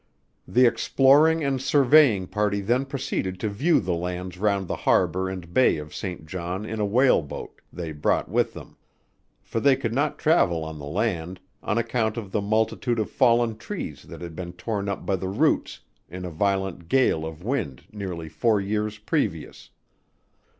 The exploring and surveying party then proceeded to view the lands round the harbour and bay of Saint John in a whale boat, they brought with them: for they could not travel on the land, on account of the multitude of fallen trees that had been torn up by the roots in a violent gale of wind, nearly four years previous.